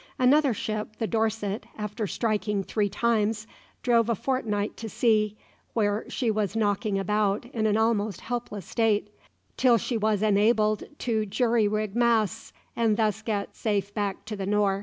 Another ship, the "Dorset," after striking three times, drove a fortnight to sea, where she was knocking about in an almost helpless state, till she was enabled to rig jury masts and thus get safe back to the Nore.